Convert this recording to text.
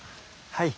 はい。